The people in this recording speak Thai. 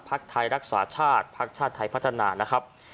พักไทยรักษาชาติพักชาติไทยพัฒนา